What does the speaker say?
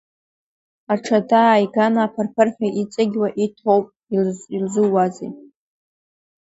Аҽада ааиган аԥырԥырҳәа иҵыгьуа иҭоуп, илзууазеи!